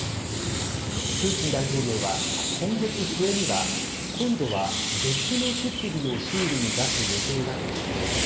プーチン大統領は、今月末には今度は別の設備を修理に出す予定だと主張。